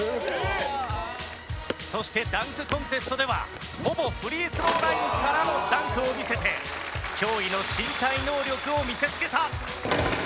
そしてダンクコンテストではほぼフリースローラインからのダンクを見せて驚異の身体能力を見せつけた。